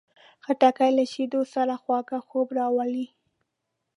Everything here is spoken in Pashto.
خټکی له شیدو سره خواږه خوب راولي.